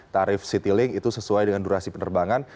tarif citylink itu sesuai dengan durasi penerbangan